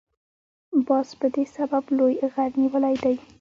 باز په دې سبب لوی غر نیولی دی.